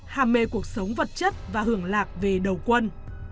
hà mê cuộc sống vật chất và hưởng lạc về đầu quân